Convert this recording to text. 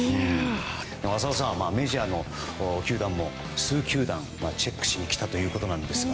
浅尾さん、メジャーの球団も数球団チェックしに来たということですが。